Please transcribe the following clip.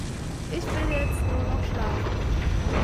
Ich will jetzt nur noch schlafen.